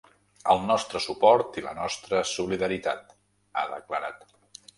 El nostre suport i la nostra solidaritat, ha declarat.